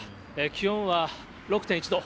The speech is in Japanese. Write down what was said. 気温は６．１度。